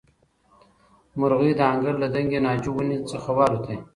مرغۍ د انګړ له دنګې ناجو ونې څخه والوتې.